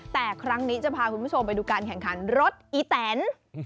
แต่ครั้งนี้จะพาคุณผู้ชมไปดูการแข่งขันรถอีแตน